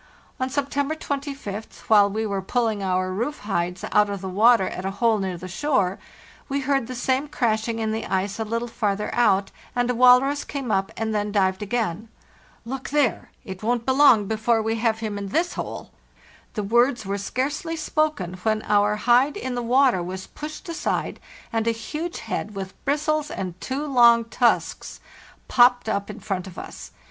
On September 25th, while we were pulling our roof hides out of the water at a hole near the shore, we heard the same crashing in the ice a little farther out, and a walrus came up and then dived again. "Look there! It won't be long before we have him in this hole." The words were scarcely spoken, when our hide in the water was pushed aside and a huge head, with bristles and two long tusks, popped up in front of us.